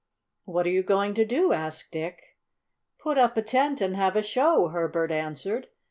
"What are you going to do?" asked Dick. "Put up a tent and have a show," Herbert answered.